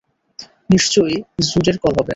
নিশ্চয়ই জুডের কল হবে।